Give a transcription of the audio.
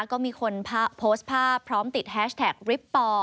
ก็มีคนโพสต์ภาพพร้อมติดแฮชแท็กริปปอ